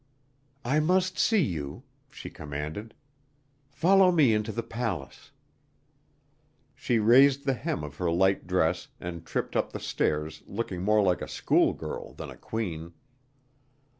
"I must see you," she commanded. "Follow me into the palace." She raised the hem of her light dress and tripped up the stairs looking more like a schoolgirl than a queen.